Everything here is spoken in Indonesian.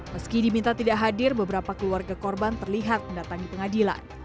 meski diminta tidak hadir beberapa keluarga korban terlihat mendatangi pengadilan